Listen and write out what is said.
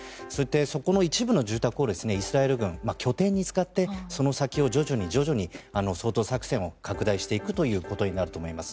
そこの一部の住宅をイスラエル軍が拠点に使ってその先を徐々に掃討作戦を拡大していくことになると思います。